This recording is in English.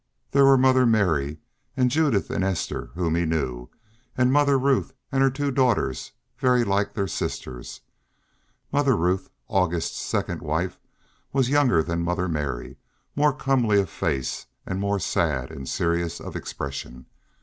There were Mother Mary, and Judith and Esther, whom he knew, and Mother Ruth and her two daughters very like their sisters. Mother Ruth, August's second wife, was younger than Mother Mary, more comely of face, and more sad and serious of expression.